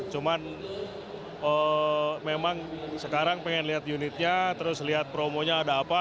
cuman memang sekarang pengen lihat unitnya terus lihat promonya ada apa